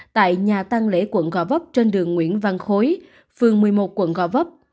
tại nhà tăng lễ quận gò vấp trên đường nguyễn văn khối phường một mươi một quận gò vấp